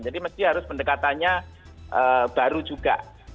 jadi mesti harus pendekatannya baru juga